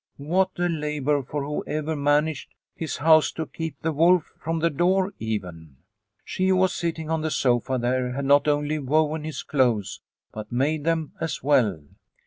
What a labour for whoever managed his house to keep the wolf from the door even ! She who was sitting on the sofa there had not only woven his clothes, but made them as well.